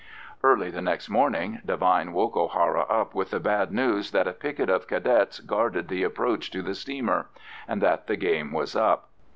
Early the next morning Devine woke O'Hara up with the bad news that a picket of Cadets guarded the approach to the steamer, and that the game was up.